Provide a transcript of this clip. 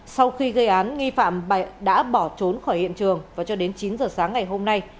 sau khi gây án nghi phạm đã bỏ trốn khỏi hiện trường và cho đến chín giờ sáng ngày hôm nay